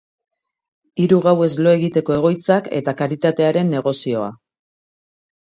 Hiru gauez lo egiteko egoitzak eta karitatearen negozioa.